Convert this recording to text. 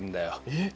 えっ？